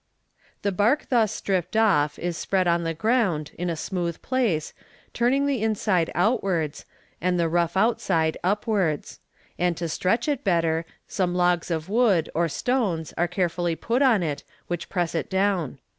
"The bark thus stripped off is spread on the ground, in a smooth place, turning the inside downwards, and the rough outside upwards; and to stretch it better, some logs of wood or stones are carefully put on it, which press it down.